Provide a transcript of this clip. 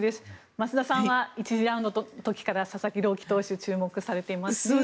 増田さんは１次ラウンドの時から佐々木朗希投手に注目されていますね。